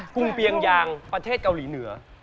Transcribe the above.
กรุงเปียงยางประเทศเกาหลีเหนือ